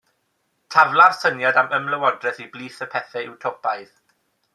Tafla'r syniad am ymlywodraeth i blith y pethau Utopaidd.